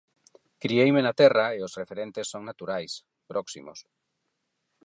Crieime na terra e os referentes son naturais, próximos.